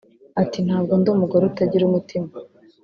Ati “Ntabwo ndi umugore utagira umutima